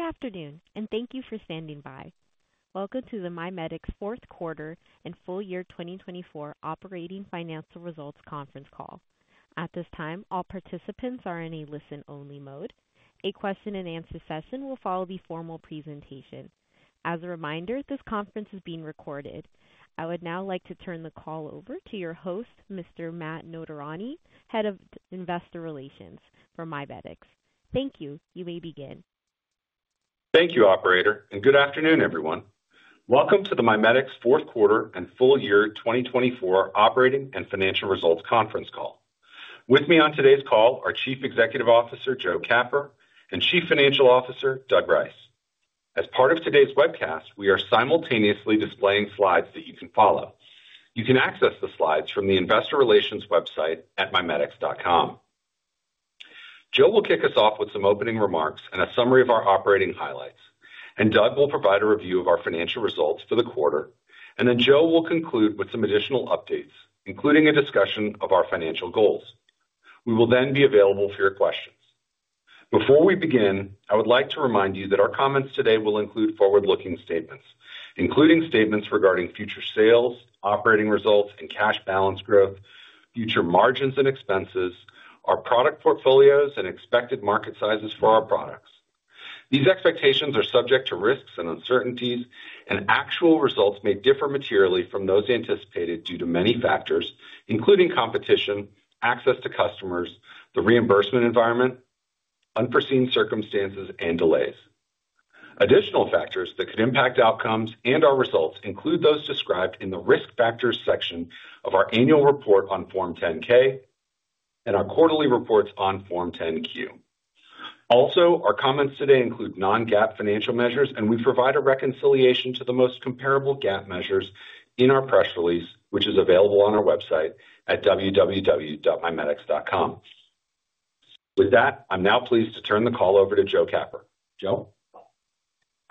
Good afternoon, and thank you for standing by. Welcome to the MiMedx fourth quarter and full year 2024 operating financial results conference call. At this time, all participants are in a listen-only mode. A question-and-answer session will follow the formal presentation. As a reminder, this conference is being recorded. I would now like to turn the call over to your host, Mr. Matt Notarianni, Head of Investor Relations for MiMedx. Thank you. You may begin. Thank you, Operator, and good afternoon, everyone. Welcome to the MiMedx fourth quarter and full year 2024 operating financial results conference call. With me on today's call are Chief Executive Officer, Joe Capper; and Chief Financial Officer, Doug Rice. As part of today's webcast, we are simultaneously displaying slides that you can follow. You can access the slides from the investor relations website at mimedx.com. Joe will kick us off with some opening remarks and a summary of our operating highlights, and Doug will provide a review of our financial results for the quarter, and then Joe will conclude with some additional updates, including a discussion of our financial goals. We will then be available for your questions. Before we begin, I would like to remind you that our comments today will include forward-looking statements, including statements regarding future sales, operating results, and cash balance growth, future margins and expenses, our product portfolios, and expected market sizes for our products. These expectations are subject to risks and uncertainties, and actual results may differ materially from those anticipated due to many factors, including competition, access to customers, the reimbursement environment, unforeseen circumstances, and delays. Additional factors that could impact outcomes and our results include those described in the risk factors section of our annual report on Form 10-K and our quarterly reports on Form 10-Q. Also, our comments today include non-GAAP financial measures, and we provide a reconciliation to the most comparable GAAP measures in our press release, which is available on our website at www.mimedx.com. With that, I'm now pleased to turn the call over to Joe Capper. Joe?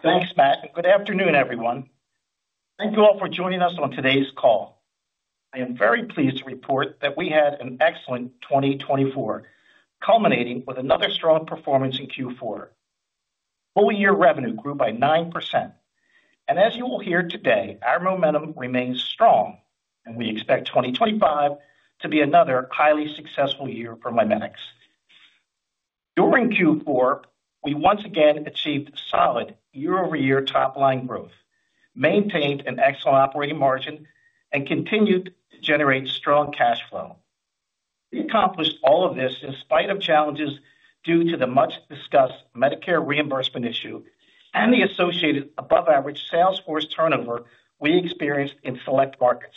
Thanks, Matt. Good afternoon, everyone. Thank you all for joining us on today's call. I am very pleased to report that we had an excellent 2024, culminating with another strong performance in Q4. Full year revenue grew by 9%. As you will hear today, our momentum remains strong, and we expect 2025 to be another highly successful year for MiMedx. During Q4, we once again achieved solid year-over-year top-line growth, maintained an excellent operating margin, and continued to generate strong cash flow. We accomplished all of this in spite of challenges due to the much-discussed Medicare reimbursement issue and the associated above-average sales force turnover we experienced in select markets.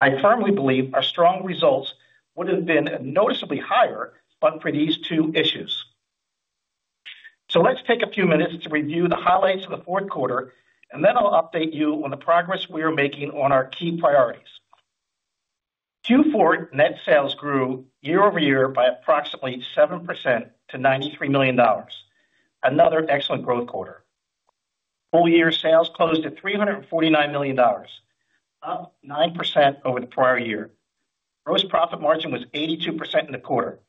I firmly believe our strong results would have been noticeably higher for these two issues. Let's take a few minutes to review the highlights of the fourth quarter, and then I'll update you on the progress we are making on our key priorities. Q4 net sales grew year-over-year by approximately 7% to $93 million, another excellent growth quarter. Full year sales closed at $349 million, up 9% over the prior year. Gross profit margin was 82% in the quarter.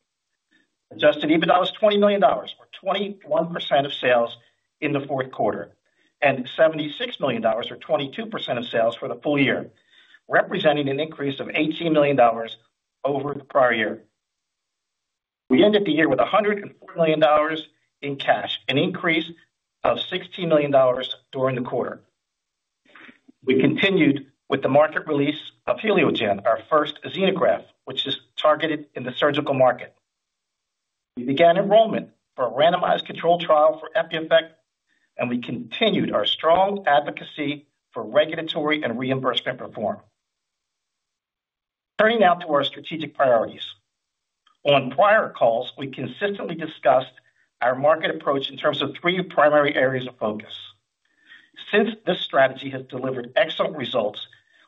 Adjusted EBITDA was $20 million, or 21% of sales in the fourth quarter, and $76 million or 22% of sales for the full year, representing an increase of $18 million over the prior year. We ended the year with $104 million in cash, an increase of $16 million during the quarter. We continued with the market release of HelioGen, our first xenograft, which is targeted in the surgical market. We began enrollment for a randomized controlled trial for EpiEffect, and we continued our strong advocacy for regulatory and reimbursement reform. Turning now to our strategic priorities. On prior calls, we consistently discussed our market approach in terms of three primary areas of focus. Since this strategy has delivered excellent results,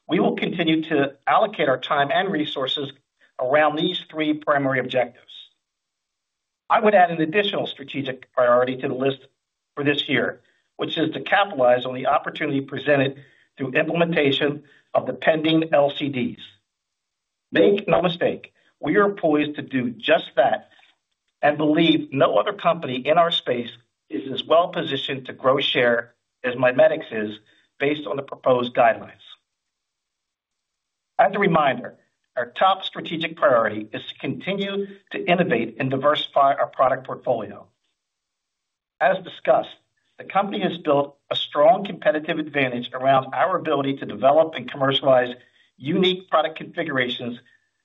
we will continue to allocate our time and resources around these three primary objectives. I would add an additional strategic priority to the list for this year, which is to capitalize on the opportunity presented through implementation of the pending LCDs. Make no mistake, we are poised to do just that and believe no other company in our space is as well positioned to grow share as MiMedx is based on the proposed guidelines. As a reminder, our top strategic priority is to continue to innovate and diversify our product portfolio. As discussed, the company has built a strong competitive advantage around our ability to develop and commercialize unique product configurations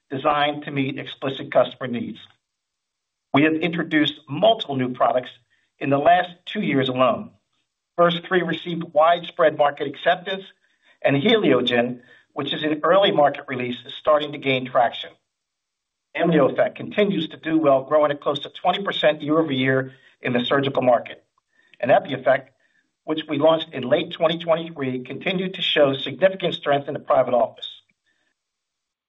designed to meet explicit customer needs. We have introduced multiple new products in the last two years alone. The first three received widespread market acceptance, and HelioGen, which is an early market release, is starting to gain traction. AmnioEffect continues to do well, growing at close to 20% year-over-year in the surgical market, and EpiEffect, which we launched in late 2023, continued to show significant strength in the private office.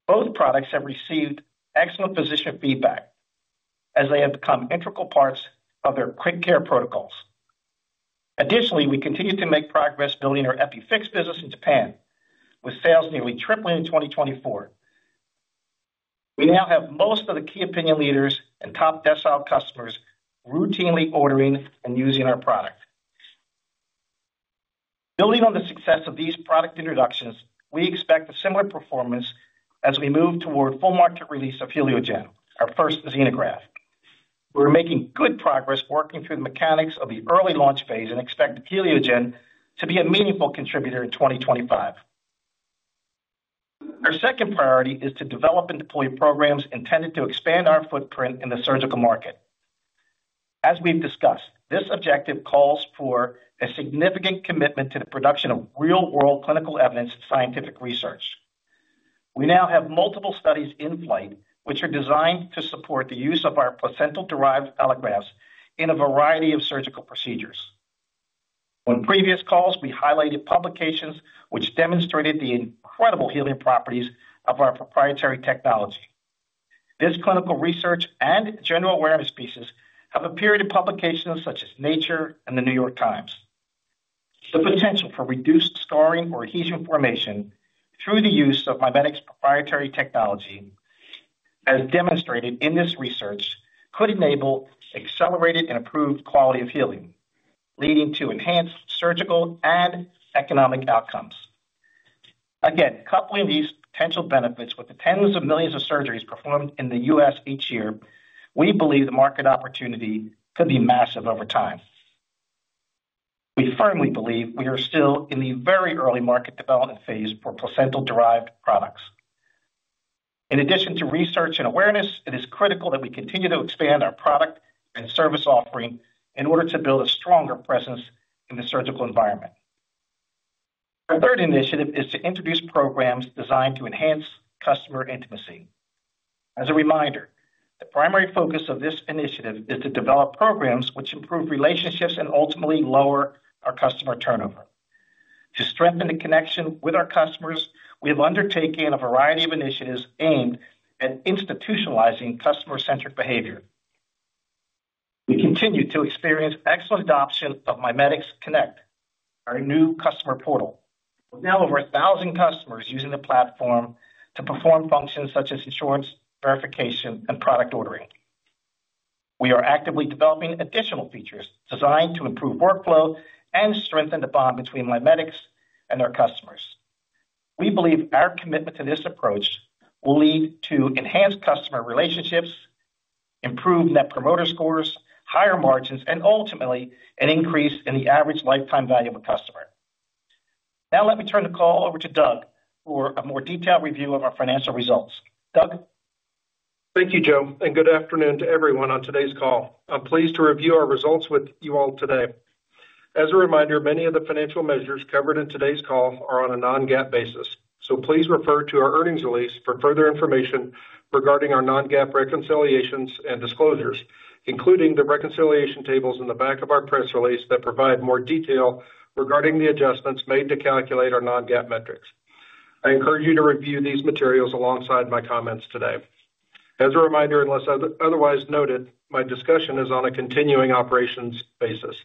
Both products have received excellent physician feedback as they have become integral parts of their QuickCare protocols. Additionally, we continue to make progress building our EpiFix business in Japan, with sales nearly tripling in 2024. We now have most of the key opinion leaders and top decile customers routinely ordering and using our product. Building on the success of these product introductions, we expect a similar performance as we move toward full market release of HelioGen, our first xenograft. We're making good progress working through the mechanics of the early launch phase and expect HelioGen to be a meaningful contributor in 2025. Our second priority is to develop and deploy programs intended to expand our footprint in the surgical market. As we've discussed, this objective calls for a significant commitment to the production of real-world clinical evidence and scientific research. We now have multiple studies in flight, which are designed to support the use of our placental-derived allografts in a variety of surgical procedures. On previous calls, we highlighted publications which demonstrated the incredible healing properties of our proprietary technology. This clinical research and general awareness pieces have appeared in publications such as Nature and The New York Times. The potential for reduced scarring or adhesion formation through the use of MiMedx proprietary technology, as demonstrated in this research, could enable accelerated and improved quality of healing, leading to enhanced surgical and economic outcomes. Again, coupling these potential benefits with the tens of millions of surgeries performed in the U.S. each year, we believe the market opportunity could be massive over time. We firmly believe we are still in the very early market development phase for placental-derived products. In addition to research and awareness, it is critical that we continue to expand our product and service offering in order to build a stronger presence in the surgical environment. Our third initiative is to introduce programs designed to enhance customer intimacy. As a reminder, the primary focus of this initiative is to develop programs which improve relationships and ultimately lower our customer turnover. To strengthen the connection with our customers, we have undertaken a variety of initiatives aimed at institutionalizing customer-centric behavior. We continue to experience excellent adoption of MiMedx Connect, our new customer portal. We have now over 1,000 customers using the platform to perform functions such as insurance verification and product ordering. We are actively developing additional features designed to improve workflow and strengthen the bond between MiMedx and our customers. We believe our commitment to this approach will lead to enhanced customer relationships, improved net promoter scores, higher margins, and ultimately an increase in the average lifetime value of a customer. Now, let me turn the call over to Doug for a more detailed review of our financial results. Doug? Thank you, Joe, and good afternoon to everyone on today's call. I'm pleased to review our results with you all today. As a reminder, many of the financial measures covered in today's call are on a non-GAAP basis, so please refer to our earnings release for further information regarding our non-GAAP reconciliations and disclosures, including the reconciliation tables in the back of our press release that provide more detail regarding the adjustments made to calculate our non-GAAP metrics. I encourage you to review these materials alongside my comments today. As a reminder, unless otherwise noted, my discussion is on a continuing operations basis.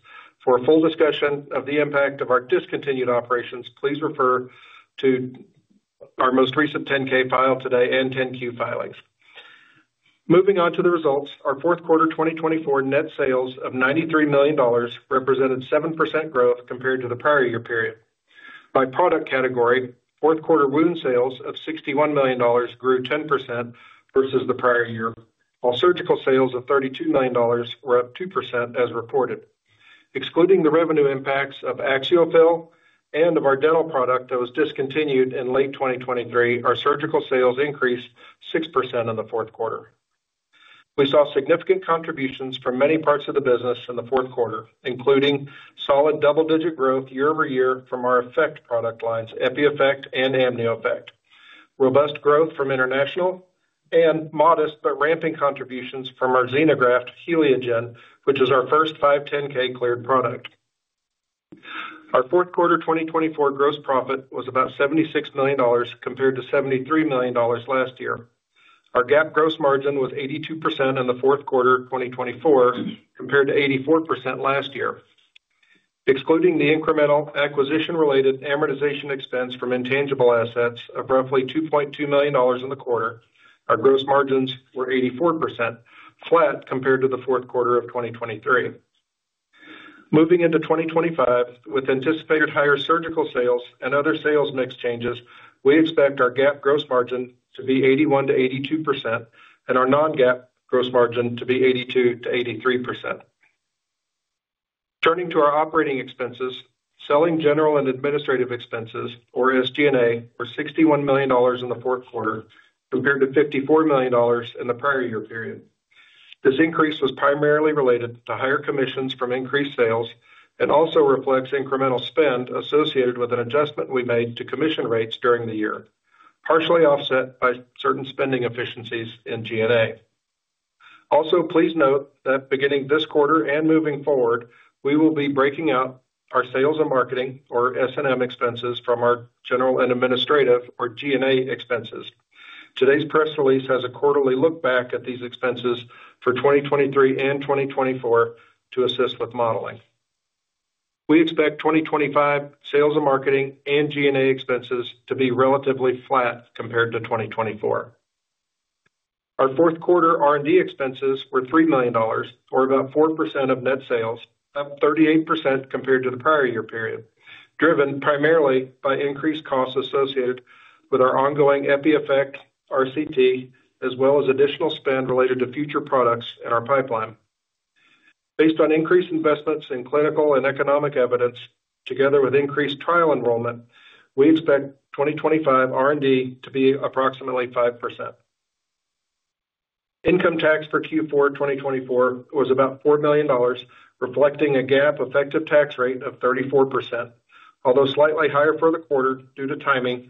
For a full discussion of the impact of our discontinued operations, please refer to our most recent 10-K filed today and 10-Q filings. Moving on to the results, our fourth quarter 2024 net sales of $93 million represented 7% growth compared to the prior year period. By product category, fourth quarter wound sales of $61 million grew 10% versus the prior year, while surgical sales of $32 million were up 2% as reported. Excluding the revenue impacts of AxioFill and of our dental product that was discontinued in late 2023, our surgical sales increased 6% in the fourth quarter. We saw significant contributions from many parts of the business in the fourth quarter, including solid double-digit growth year-over-year from our Effect product lines, EpiEffect and AmnioEffect, robust growth from international, and modest but ramping contributions from our xenograft, HelioGen, which is our first 510(k) cleared product. Our fourth quarter 2024 gross profit was about $76 million compared to $73 million last year. Our GAAP gross margin was 82% in the fourth quarter 2024 compared to 84% last year. Excluding the incremental acquisition-related amortization expense from intangible assets of roughly $2.2 million in the quarter, our gross margins were 84%, flat compared to the fourth quarter of 2023. Moving into 2025, with anticipated higher surgical sales and other sales mix changes, we expect our GAAP gross margin to be 81%-82% and our non-GAAP gross margin to be 82%-83%. Turning to our operating expenses, selling general and administrative expenses, or SG&A, were $61 million in the fourth quarter compared to $54 million in the prior year period. This increase was primarily related to higher commissions from increased sales and also reflects incremental spend associated with an adjustment we made to commission rates during the year, partially offset by certain spending efficiencies in G&A. Also, please note that beginning this quarter and moving forward, we will be breaking out our sales and marketing, or S&M, expenses from our general and administrative, or G&A, expenses. Today's press release has a quarterly look back at these expenses for 2023 and 2024 to assist with modeling. We expect 2025 sales and marketing and G&A expenses to be relatively flat compared to 2024. Our fourth quarter R&D expenses were $3 million, or about 4% of net sales, up 38% compared to the prior year period, driven primarily by increased costs associated with our ongoing EpiEffect RCT, as well as additional spend related to future products in our pipeline. Based on increased investments in clinical and economic evidence, together with increased trial enrollment, we expect 2025 R&D to be approximately 5%. Income tax for Q4 2024 was about $4 million, reflecting a GAAP effective tax rate of 34%, although slightly higher for the quarter due to timing.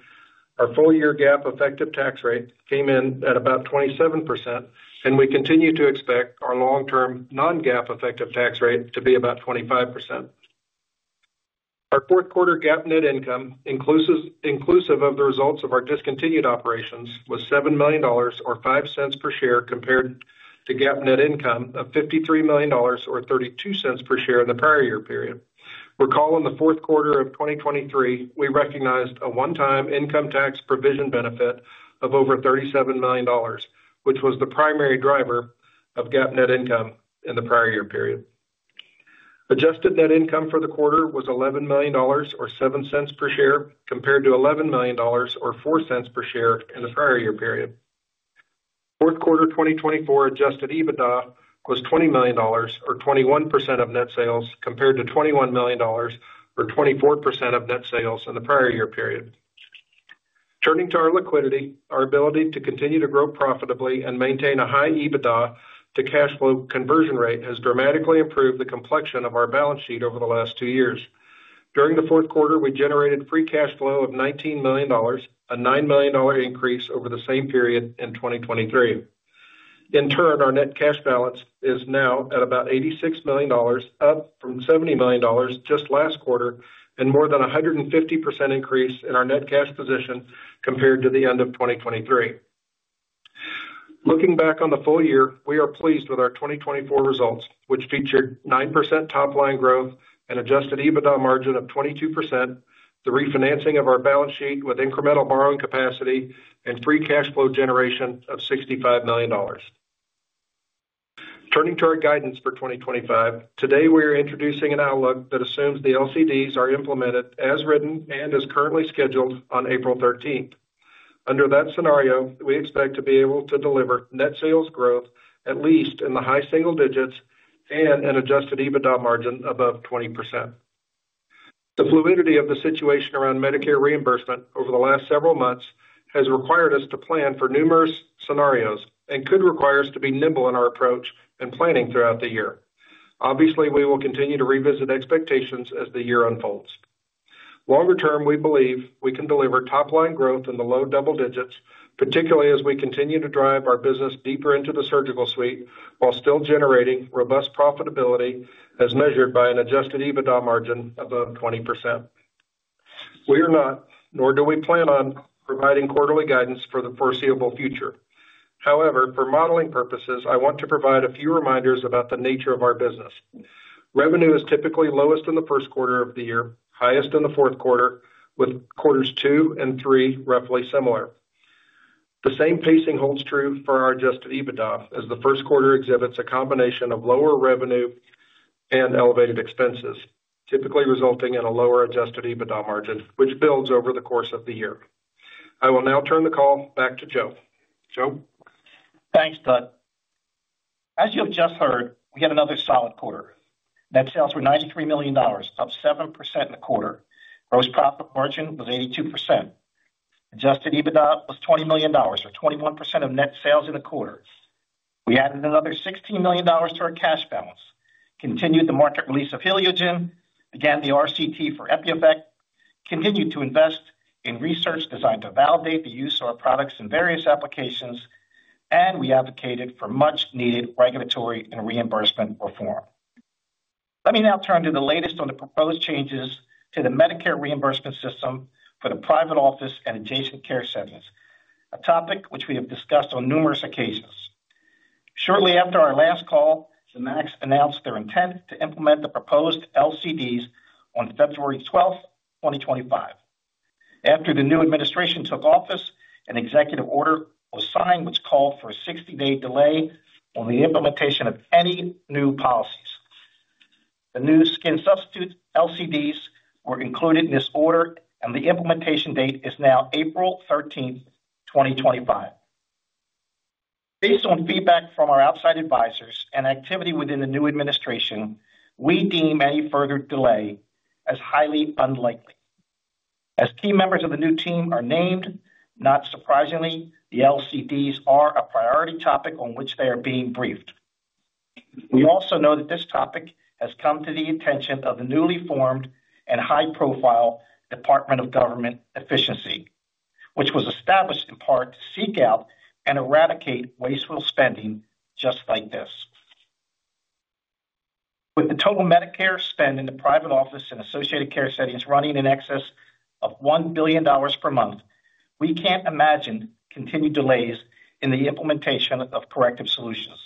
Our full year GAAP effective tax rate came in at about 27%, and we continue to expect our long-term non-GAAP effective tax rate to be about 25%. Our fourth quarter GAAP net income, inclusive of the results of our discontinued operations, was $7 million, or $0.05 per share, compared to GAAP net income of $53 million, or $0.32 per share in the prior year period. Recall in the fourth quarter of 2023, we recognized a one-time income tax provision benefit of over $37 million, which was the primary driver of GAAP net income in the prior year period. Adjusted net income for the quarter was $11 million, or $0.07 per share, compared to $11 million, or $0.04 per share in the prior year period. Fourth quarter 2024 adjusted EBITDA was $20 million, or 21% of net sales, compared to $21 million, or 24% of net sales in the prior year period. Turning to our liquidity, our ability to continue to grow profitably and maintain a high EBITDA to cash flow conversion rate has dramatically improved the complexion of our balance sheet over the last two years. During the fourth quarter, we generated free cash flow of $19 million, a $9 million increase over the same period in 2023. In turn, our net cash balance is now at about $86 million, up from $70 million just last quarter, and more than a 150% increase in our net cash position compared to the end of 2023. Looking back on the full year, we are pleased with our 2024 results, which featured 9% top-line growth and an adjusted EBITDA margin of 22%, the refinancing of our balance sheet with incremental borrowing capacity, and free cash flow generation of $65 million. Turning to our guidance for 2025, today we are introducing an outlook that assumes the LCDs are implemented as written and as currently scheduled on April 13th. Under that scenario, we expect to be able to deliver net sales growth at least in the high single digits and an adjusted EBITDA margin above 20%. The fluidity of the situation around Medicare reimbursement over the last several months has required us to plan for numerous scenarios and could require us to be nimble in our approach and planning throughout the year. Obviously, we will continue to revisit expectations as the year unfolds. Longer term, we believe we can deliver top-line growth in the low double digits, particularly as we continue to drive our business deeper into the surgical suite while still generating robust profitability as measured by an Adjusted EBITDA margin above 20%. We are not, nor do we plan on, providing quarterly guidance for the foreseeable future. However, for modeling purposes, I want to provide a few reminders about the nature of our business. Revenue is typically lowest in the first quarter of the year, highest in the fourth quarter, with quarters two and three roughly similar. The same pacing holds true for our Adjusted EBITDA, as the first quarter exhibits a combination of lower revenue and elevated expenses, typically resulting in a lower Adjusted EBITDA margin, which builds over the course of the year. I will now turn the call back to Joe. Joe? Thanks, Doug. As you have just heard, we had another solid quarter. Net sales were $93 million, up 7% in the quarter. Gross profit margin was 82%. Adjusted EBITDA was $20 million, or 21% of net sales in the quarter. We added another $16 million to our cash balance, continued the market release of HelioGen, began the RCT for EpiEffect, continued to invest in research designed to validate the use of our products in various applications, and we advocated for much-needed regulatory and reimbursement reform. Let me now turn to the latest on the proposed changes to the Medicare reimbursement system for the private office and adjacent care settings, a topic which we have discussed on numerous occasions. Shortly after our last call, the MAC announced their intent to implement the proposed LCDs on February 12th, 2025. After the new administration took office, an executive order was signed which called for a 60-day delay on the implementation of any new policies. The new skin substitute LCDs were included in this order, and the implementation date is now April 13th, 2025. Based on feedback from our outside advisors and activity within the new administration, we deem any further delay as highly unlikely. As key members of the new team are named, not surprisingly, the LCDs are a priority topic on which they are being briefed. We also know that this topic has come to the attention of the newly formed and high-profile Department of Government Efficiency, which was established in part to seek out and eradicate wasteful spending just like this. With the total Medicare spend in the private office and associated care settings running in excess of $1 billion per month, we can't imagine continued delays in the implementation of corrective solutions.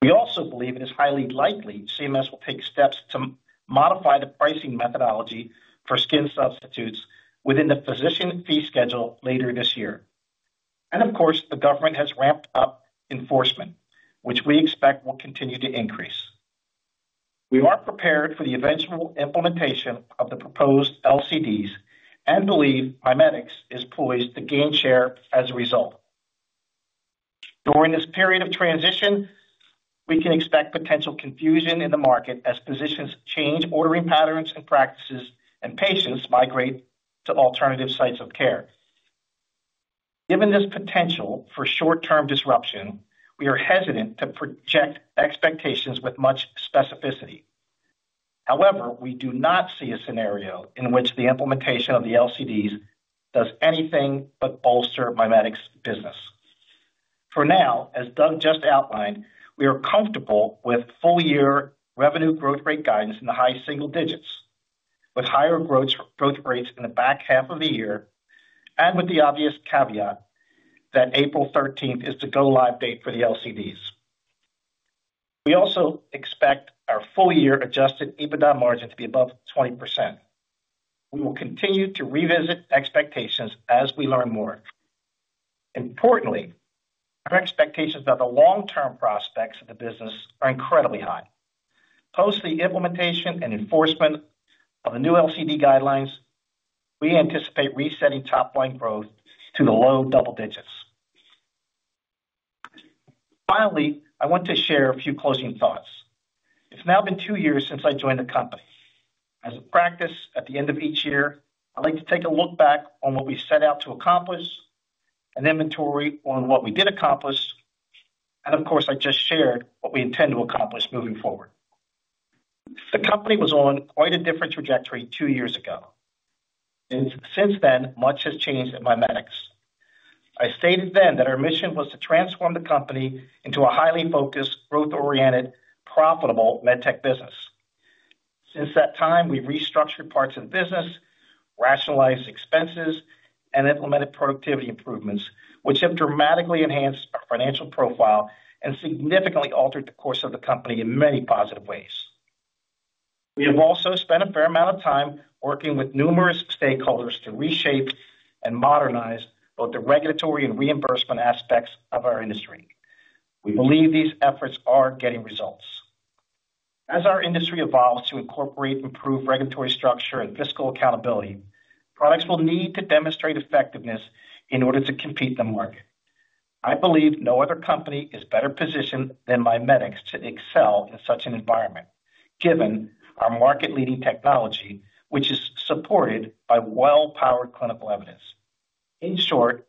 We also believe it is highly likely CMS will take steps to modify the pricing methodology for skin substitutes within the physician fee schedule later this year. Of course, the government has ramped up enforcement, which we expect will continue to increase. We are prepared for the eventual implementation of the proposed LCDs and believe MiMedx is poised to gain share as a result. During this period of transition, we can expect potential confusion in the market as positions change, ordering patterns and practices, and patients migrate to alternative sites of care. Given this potential for short-term disruption, we are hesitant to project expectations with much specificity. However, we do not see a scenario in which the implementation of the LCDs does anything but bolster MiMedx's business. For now, as Doug just outlined, we are comfortable with full year revenue growth rate guidance in the high single digits, with higher growth rates in the back half of the year, and with the obvious caveat that April 13th is the go-live date for the LCDs. We also expect our full year Adjusted EBITDA margin to be above 20%. We will continue to revisit expectations as we learn more. Importantly, our expectations about the long-term prospects of the business are incredibly high. Post the implementation and enforcement of the new LCD guidelines, we anticipate resetting top-line growth to the low double digits. Finally, I want to share a few closing thoughts. It's now been two years since I joined the company. As a practice, at the end of each year, I like to take a look back on what we set out to accomplish, an inventory on what we did accomplish, and of course, I just shared what we intend to accomplish moving forward. The company was on quite a different trajectory two years ago. Since then, much has changed at MiMedx. I stated then that our mission was to transform the company into a highly focused, growth-oriented, profitable med tech business. Since that time, we've restructured parts of the business, rationalized expenses, and implemented productivity improvements, which have dramatically enhanced our financial profile and significantly altered the course of the company in many positive ways. We have also spent a fair amount of time working with numerous stakeholders to reshape and modernize both the regulatory and reimbursement aspects of our industry. We believe these efforts are getting results. As our industry evolves to incorporate improved regulatory structure and fiscal accountability, products will need to demonstrate effectiveness in order to compete in the market. I believe no other company is better positioned than MiMedx to excel in such an environment, given our market-leading technology, which is supported by well-powered clinical evidence. In short,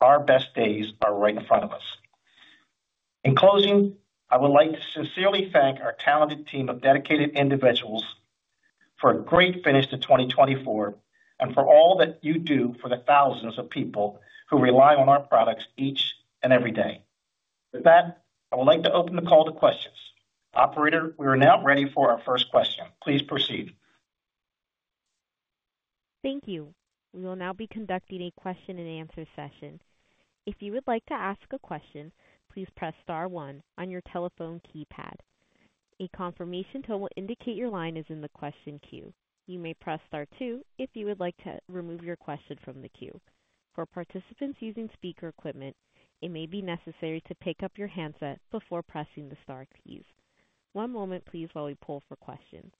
our best days are right in front of us. In closing, I would like to sincerely thank our talented team of dedicated individuals for a great finish to 2024 and for all that you do for the thousands of people who rely on our products each and every day. With that, I would like to open the call to questions. Operator, we are now ready for our first question. Please proceed. Thank you. We will now be conducting a question-and-answer session. If you would like to ask a question, please press star one on your telephone keypad. A confirmation tone will indicate your line is in the question queue. You may press star two if you would like to remove your question from the queue. For participants using speaker equipment, it may be necessary to pick up your handset before pressing the star keys. One moment, please, while we poll for questions.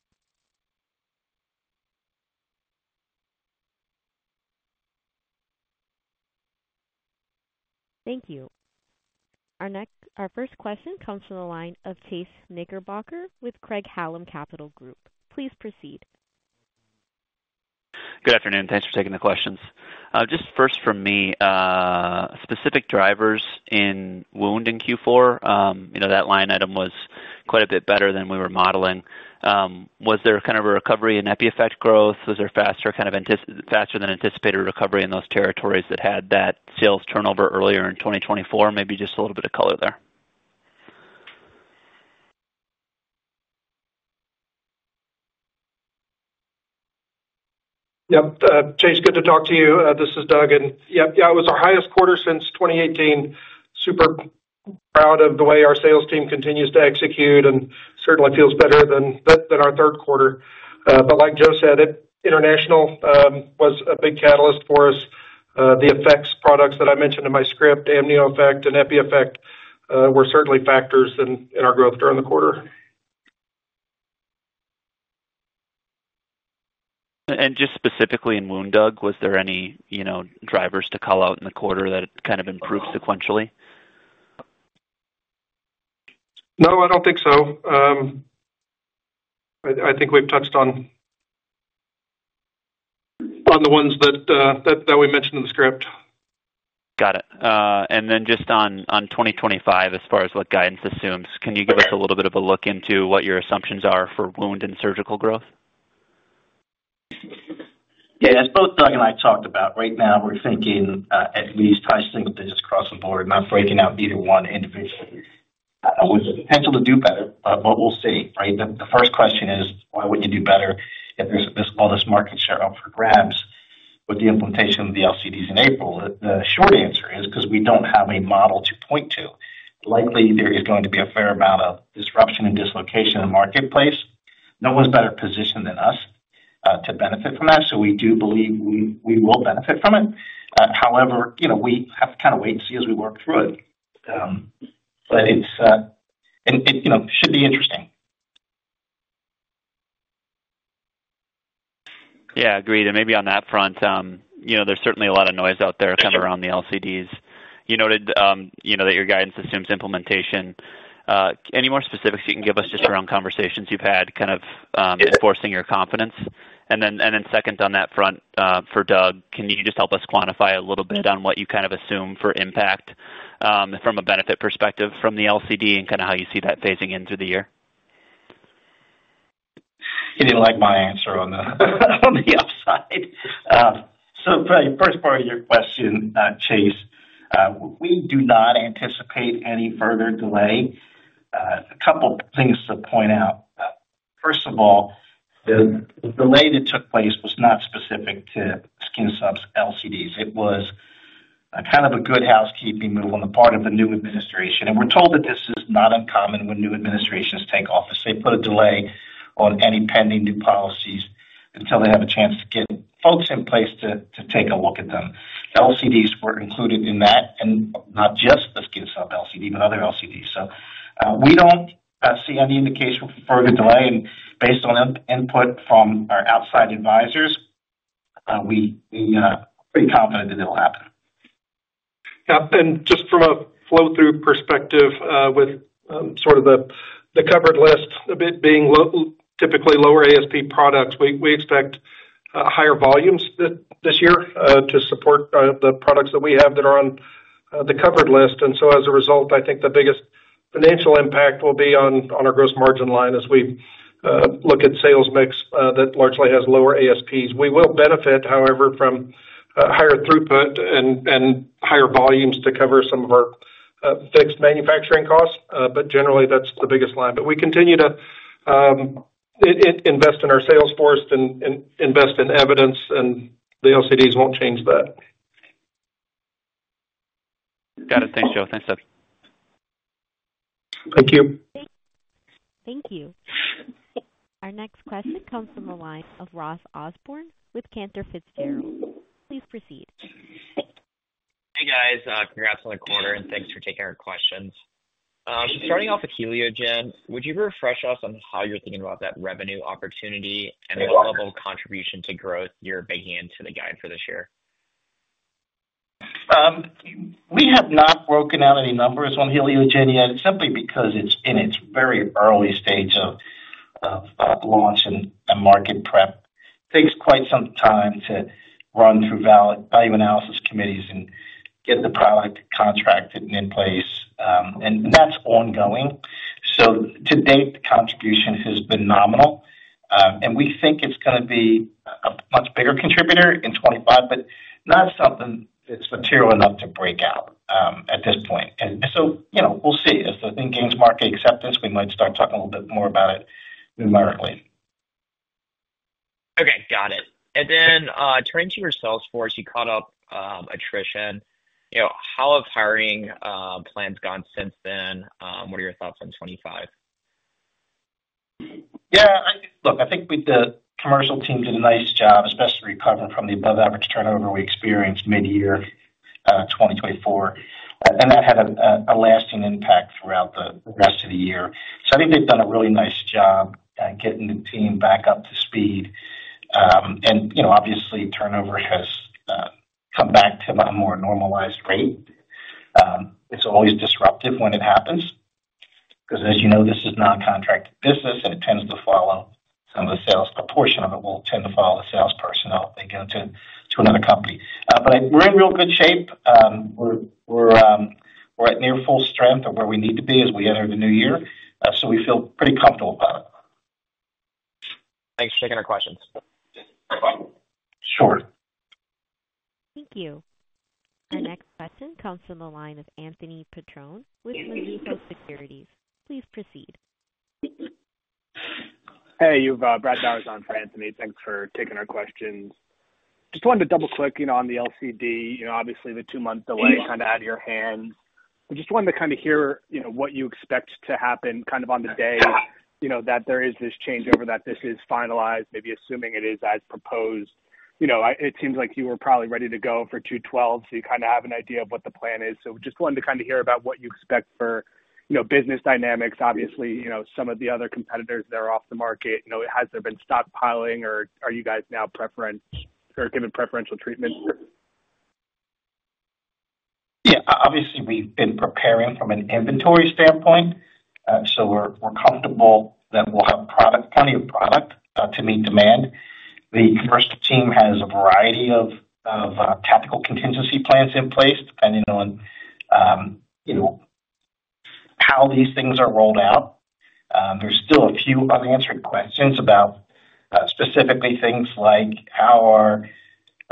Thank you. Our first question comes from the line of Chase Knickerbocker with Craig-Hallum Capital Group. Please proceed. Good afternoon. Thanks for taking the questions. Just first from me, specific drivers in wound in Q4, that line item was quite a bit better than we were modeling. Was there kind of a recovery in EpiEffect growth? Was there faster than anticipated recovery in those territories that had that sales turnover earlier in 2024? Maybe just a little bit of color there. Yep. Chase, good to talk to you. This is Doug. And yeah, it was our highest quarter since 2018. Super proud of the way our sales team continues to execute and certainly feels better than our third quarter. But like Joe said, international was a big catalyst for us. The effects products that I mentioned in my script, AmnioEffect and EpiEffect, were certainly factors in our growth during the quarter. Just specifically in wound, Doug, was there any drivers to call out in the quarter that kind of improved sequentially? No, I don't think so. I think we've touched on the ones that we mentioned in the script. Got it. And then just on 2025, as far as what guidance assumes, can you give us a little bit of a look into what your assumptions are for wound and surgical growth? Yeah. As both Doug and I talked about, right now we're thinking at least high single digits across the board, not breaking out either one individually. With the potential to do better, but what we'll see, right? The first question is, why wouldn't you do better if there's all this market share up for grabs with the implementation of the LCDs in April? The short answer is because we don't have a model to point to. Likely, there is going to be a fair amount of disruption and dislocation in the marketplace. No one's better positioned than us to benefit from that, so we do believe we will benefit from it. However, we have to kind of wait and see as we work through it. But it should be interesting. Yeah, agreed. And maybe on that front, there's certainly a lot of noise out there kind of around the LCDs. You noted that your guidance assumes implementation. Any more specifics you can give us just around conversations you've had kind of enforcing your confidence? And then second on that front for Doug, can you just help us quantify a little bit on what you kind of assume for impact from a benefit perspective from the LCD and kind of how you see that phasing into the year? You didn't like my answer on the upside. So for the first part of your question, Chase, we do not anticipate any further delay. A couple of things to point out. First of all, the delay that took place was not specific to skin substitute LCDs. It was kind of a good housekeeping move on the part of the new administration. And we're told that this is not uncommon when new administrations take office. They put a delay on any pending new policies until they have a chance to get folks in place to take a look at them. LCDs were included in that, and not just the skin substitute LCD, but other LCDs. So we don't see any indication for further delay. And based on input from our outside advisors, we are pretty confident that it'll happen. Yeah. And just from a flow-through perspective, with sort of the covered list a bit being typically lower ASP products, we expect higher volumes this year to support the products that we have that are on the covered list. And so as a result, I think the biggest financial impact will be on our gross margin line as we look at sales mix that largely has lower ASPs. We will benefit, however, from higher throughput and higher volumes to cover some of our fixed manufacturing costs. But generally, that's the biggest line. But we continue to invest in our sales force and invest in evidence, and the LCDs won't change that. Got it. Thanks, Joe. Thanks, Doug. Thank you. Thank you. Our next question comes from the line of Ross Osborn with Cantor Fitzgerald. Please proceed. Hey, guys. Congrats on the quarter, and thanks for taking our questions. Starting off with HelioGen, would you refresh us on how you're thinking about that revenue opportunity and what level of contribution to growth you're making into the guide for this year? We have not broken out any numbers on HelioGen yet, simply because it's in its very early stage of launch and market prep. It takes quite some time to run through value analysis committees and get the product contracted and in place, and that's ongoing, so to date, the contribution has been nominal, and we think it's going to be a much bigger contributor in 2025, but not something that's material enough to break out at this point, and so we'll see. If the thing gains market acceptance, we might start talking a little bit more about it numerically. Okay. Got it. And then turning to your sales force, you caught up attrition. How have hiring plans gone since then? What are your thoughts on 2025? Yeah. Look, I think the commercial team did a nice job, especially recovering from the above-average turnover we experienced mid-year 2024. And that had a lasting impact throughout the rest of the year. So I think they've done a really nice job getting the team back up to speed. And obviously, turnover has come back to a more normalized rate. It's always disruptive when it happens because, as you know, this is non-contracted business, and it tends to follow some of the sales proportion of it will tend to follow the sales personnel if they go to another company. But we're in real good shape. We're at near full strength of where we need to be as we enter the new year. So we feel pretty comfortable about it. Thanks for taking our questions. Sure. Thank you. Our next question comes from the line of Anthony Petrone, with Mizuho Securities. Please proceed. Hey, you've brought Doug on for Anthony. Thanks for taking our questions. Just wanted to double-click on the LCD. Obviously, the two-month delay kind of out of your hands. But just wanted to kind of hear what you expect to happen kind of on the day that there is this changeover, that this is finalized, maybe assuming it is as proposed. It seems like you were probably ready to go for 2/12, so you kind of have an idea of what the plan is. So just wanted to kind of hear about what you expect for business dynamics. Obviously, some of the other competitors that are off the market, has there been stockpiling, or are you guys now giving preferential treatment? Yeah. Obviously, we've been preparing from an inventory standpoint. So we're comfortable that we'll have plenty of product to meet demand. The commercial team has a variety of tactical contingency plans in place depending on how these things are rolled out. There's still a few unanswered questions about specifically things like how are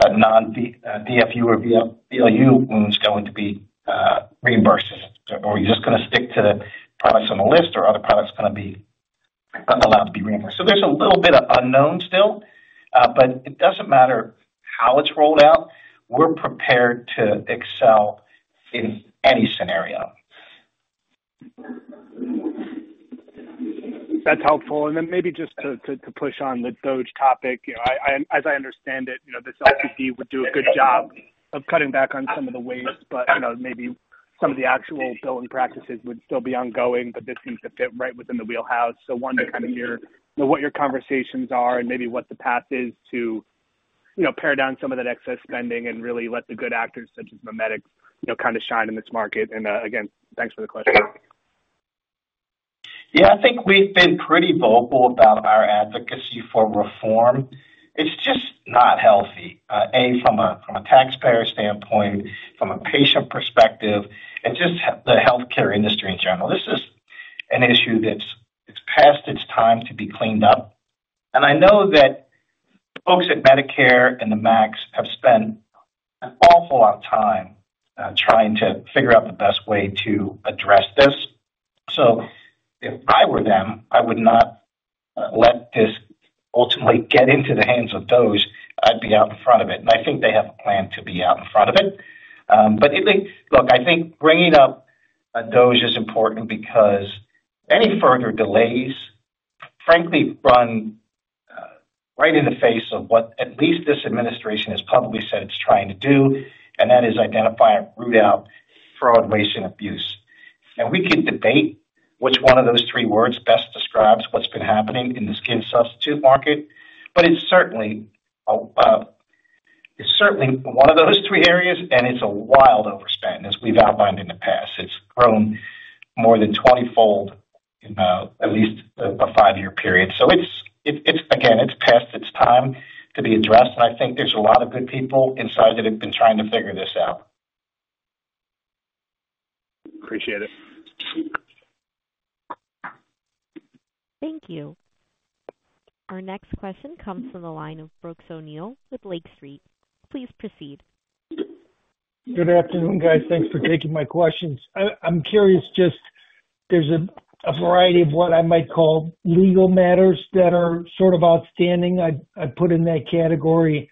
non-DFU or VLU wounds going to be reimbursed? Are we just going to stick to the products on the list, or are other products going to be allowed to be reimbursed? So there's a little bit of unknown still, but it doesn't matter how it's rolled out. We're prepared to excel in any scenario. That's helpful. And then maybe just to push on with DOGE topic, as I understand it, this LCD would do a good job of cutting back on some of the waste, but maybe some of the actual billing practices would still be ongoing, but this seems to fit right within the wheelhouse. So wanted to kind of hear what your conversations are and maybe what the path is to pare down some of the excess spending and really let the good actors such as MiMedx kind of shine in this market. And again, thanks for the question. Yeah. I think we've been pretty vocal about our advocacy for reform. It's just not healthy, A, from a taxpayer standpoint, from a patient perspective, and just the healthcare industry in general. This is an issue that's past its time to be cleaned up. And I know that folks at Medicare and the MACs have spent an awful lot of time trying to figure out the best way to address this. So if I were them, I would not let this ultimately get into the hands of DOGE. I'd be out in front of it. And I think they have a plan to be out in front of it. But look, I think bringing up DOGE is important because any further delays, frankly, run right in the face of what at least this administration has publicly said it's trying to do, and that is identify and root out fraud, waste, and abuse. Now, we could debate which one of those three words best describes what's been happening in the skin substitute market, but it's certainly one of those three areas, and it's a wild overspend, as we've outlined in the past. It's grown more than 20-fold in at least a five-year period. So again, it's past its time to be addressed. And I think there's a lot of good people inside that have been trying to figure this out. Appreciate it. Thank you. Our next question comes from the line of Brooks O'Neill with Lake Street. Please proceed. Good afternoon, guys. Thanks for taking my questions. I'm curious just there's a variety of what I might call legal matters that are sort of outstanding. I put in that category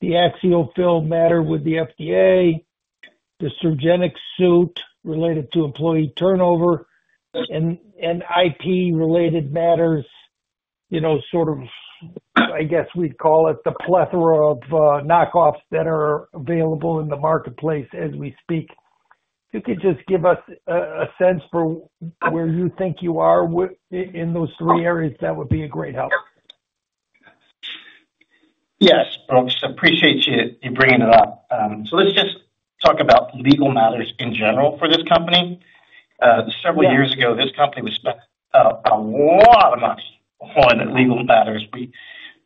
the AxioFill matter with the FDA, the Surgenex suit related to employee turnover, and IP-related matters, sort of, I guess we'd call it the plethora of knockoffs that are available in the marketplace as we speak. If you could just give us a sense for where you think you are in those three areas, that would be a great help. Yes, Brooks. Appreciate you bringing it up. So let's just talk about legal matters in general for this company. Several years ago, this company spent a lot of money on legal matters.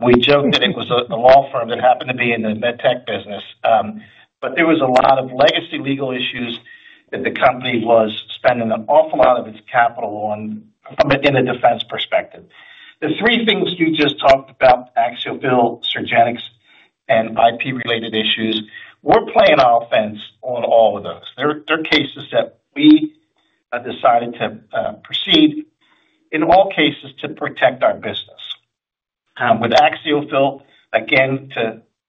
We joke that it was a law firm that happened to be in the med tech business. But there was a lot of legacy legal issues that the company was spending an awful lot of its capital on from an in-defense perspective. The three things you just talked about, AxioFill, Surgenex, and IP-related issues, we're playing offense on all of those. They're cases that we decided to proceed, in all cases, to protect our business. With AxioFill, again,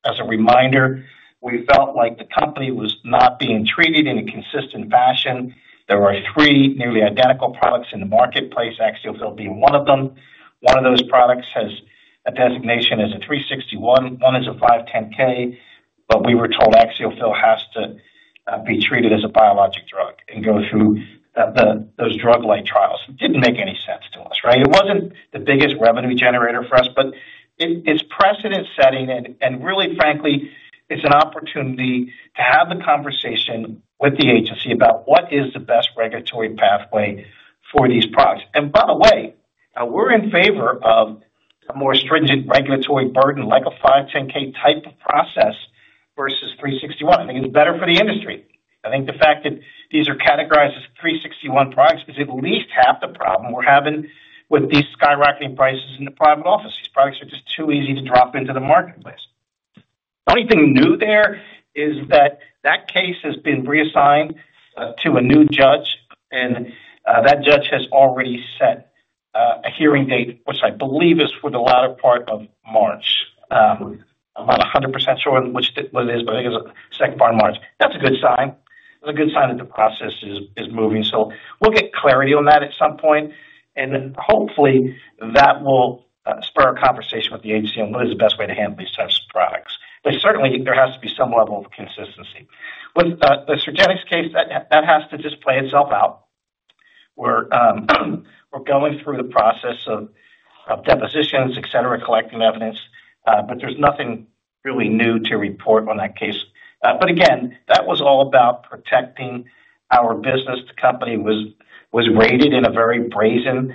as a reminder, we felt like the company was not being treated in a consistent fashion. There were three nearly identical products in the marketplace, AxioFill being one of them. One of those products has a designation as a 361. One is a 510(k), but we were told AxioFill has to be treated as a biologic drug and go through those drug-like trials. It didn't make any sense to us, right? It wasn't the biggest revenue generator for us, but it's precedent-setting. And really, frankly, it's an opportunity to have the conversation with the agency about what is the best regulatory pathway for these products. And by the way, we're in favor of a more stringent regulatory burden, like a 510(k) type of process versus 361. I think it's better for the industry. I think the fact that these are categorized as 361 products is at least half the problem we're having with these skyrocketing prices in the private office. These products are just too easy to drop into the marketplace. The only thing new there is that that case has been reassigned to a new judge, and that judge has already set a hearing date, which I believe is for the latter part of March. I'm not 100% sure what it is, but I think it's the second part of March. That's a good sign. That's a good sign that the process is moving. So we'll get clarity on that at some point. And hopefully, that will spur a conversation with the agency on what is the best way to handle these types of products. But certainly, there has to be some level of consistency. With the Surgenex case, that has to just play itself out. We're going through the process of depositions, etc., collecting evidence. But there's nothing really new to report on that case. But again, that was all about protecting our business. The company was raided in a very brazen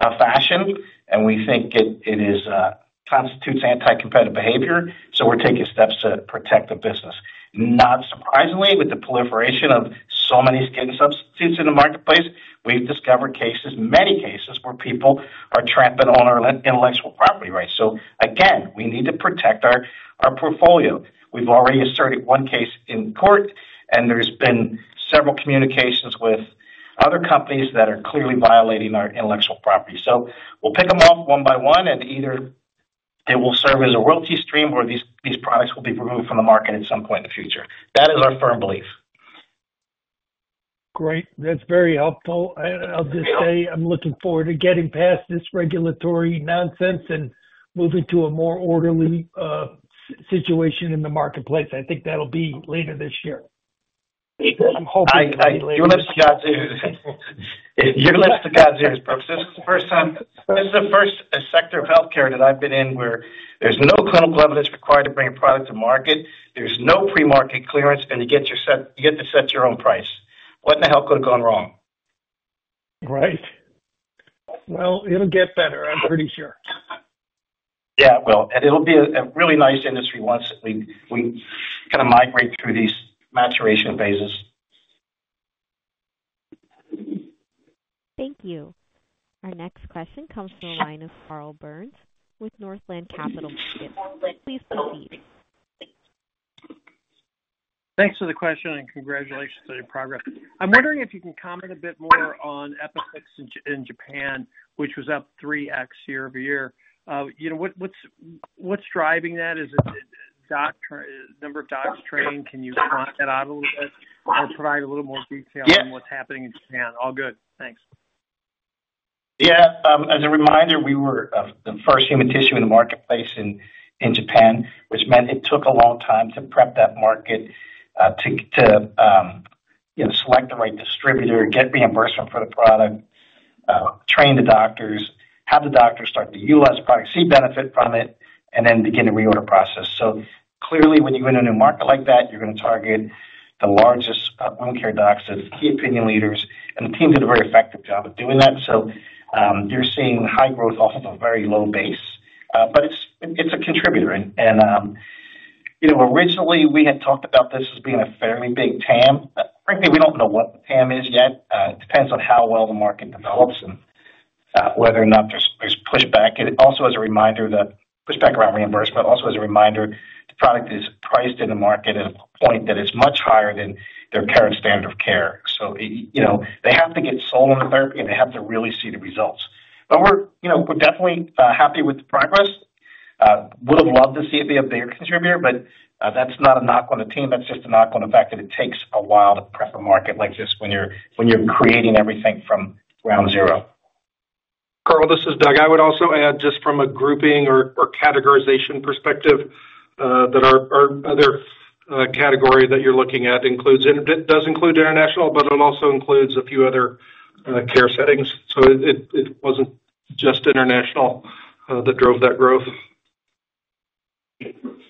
fashion, and we think it constitutes anti-competitive behavior. So we're taking steps to protect the business. Not surprisingly, with the proliferation of so many skin substitutes in the marketplace, we've discovered many cases where people are trampling on our intellectual property rights. So again, we need to protect our portfolio. We've already asserted one case in court, and there's been several communications with other companies that are clearly violating our intellectual property. So we'll pick them off one by one, and either it will serve as a royalty stream or these products will be removed from the market at some point in the future. That is our firm belief. Great. That's very helpful. I'll just say I'm looking forward to getting past this regulatory nonsense and moving to a more orderly situation in the marketplace. I think that'll be later this year. I'm hoping it'll be later. You're going to have to go through this. This is the first time... sector of healthcare that I've been in where there's no clinical evidence required to bring a product to market. There's no pre-market clearance, and you get to set your own price. What in the hell could have gone wrong? Right. Well, it'll get better, I'm pretty sure. Yeah. Well, and it'll be a really nice industry once we kind of migrate through these maturation phases. Thank you. Our next question comes from the line of Carl Byrnes with Northland Capital Markets. Please proceed. Thanks for the question, and congratulations on your progress. I'm wondering if you can comment a bit more on EpiFix in Japan, which was up 3x year over year. What's driving that? Is it number of docs trained? Can you flatten that out a little bit or provide a little more detail on what's happening in Japan? All good. Thanks. Yeah. As a reminder, we were the first human tissue in the marketplace in Japan, which meant it took a long time to prep that market, to select the right distributor, get reimbursement for the product, train the doctors, have the doctors start to utilize the product, see benefit from it, and then begin the reorder process. So clearly, when you go into a new market like that, you're going to target the largest wound care docs, the key opinion leaders, and the teams did a very effective job of doing that. So you're seeing high growth off of a very low base. But it's a contributor. And originally, we had talked about this as being a fairly big TAM. Frankly, we don't know what the TAM is yet. It depends on how well the market develops and whether or not there's pushback. It also is a reminder that pushback around reimbursement also is a reminder the product is priced in the market at a point that is much higher than their current standard of care. So they have to get sold on the therapy, and they have to really see the results. But we're definitely happy with the progress. Would have loved to see it be a bigger contributor, but that's not a knock on the team. That's just a knock on the fact that it takes a while to prep a market like this when you're creating everything from ground zero. Carl, this is Doug. I would also add, just from a grouping or categorization perspective, that our other category that you're looking at does include international, but it also includes a few other care settings. So it wasn't just international that drove that growth.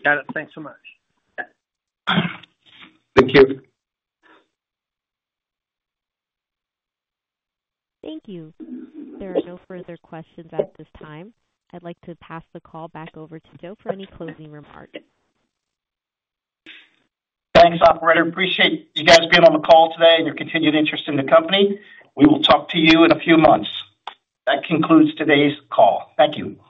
Got it. Thanks so much. Thank you. Thank you. There are no further questions at this time. I'd like to pass the call back over to Joe for any closing remarks. Thanks, operator. Appreciate you guys being on the call today and your continued interest in the company. We will talk to you in a few months. That concludes today's call. Thank you.